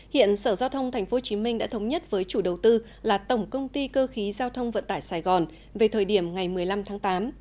hiện sở giao thông tp hcm đã thống nhất với chủ đầu tư là tổng công ty cơ khí giao thông vận tải sài gòn về thời điểm ngày một mươi năm tháng tám